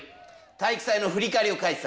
体育祭の振り返りを書いてたんだ。